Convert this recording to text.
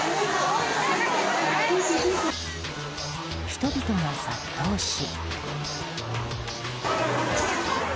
人々が殺到し。